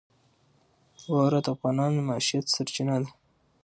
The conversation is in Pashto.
واوره د افغانانو د معیشت سرچینه ده.